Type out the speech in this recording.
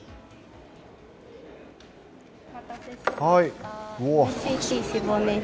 お待たせしました。